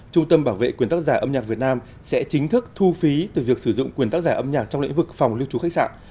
trung tâm bảo vệ quyền tác giả âm nhạc việt nam sẽ chính thức thu phí từ việc sử dụng quyền tác giả âm nhạc trong lĩnh vực phòng lưu trú khách sạn